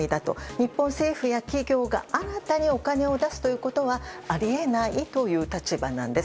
日本政府や企業が新たにお金を出すということはあり得ないという立場なんです。